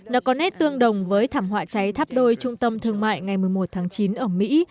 nó có nét tương đồng với thảm họa cháy tháp đôi trung tâm thương mại ngày một mươi một tháng chín ở mỹ